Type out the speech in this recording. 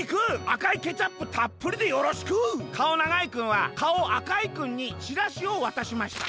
あかいケチャップたっぷりでよろしく！』かおながいくんはかおあかいくんにチラシをわたしました。